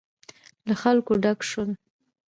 له خلکو ډک شول.